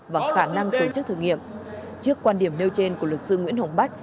và khả năng tổ chức thử nghiệm trước quan điểm nêu trên của luật sư nguyễn hồng bách